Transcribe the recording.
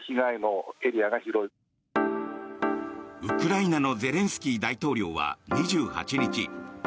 ウクライナのゼレンスキー大統領は２８日